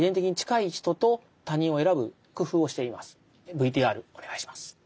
ＶＴＲお願いします。